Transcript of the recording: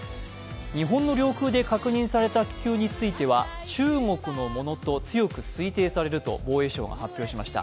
日本の領空で確認された気球については中国のものと推定されると防衛省が発表しました。